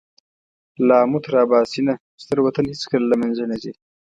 له آمو تر اباسینه ستر وطن هېڅکله له مېنځه نه ځي.